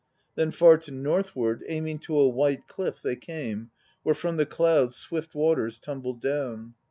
Then far to northward aiming To a white cliff they came, where from the clouds Swift waters tumbled down.